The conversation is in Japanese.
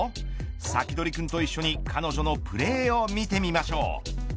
サキドリくんと一緒に彼女のプレーを見てみましょう。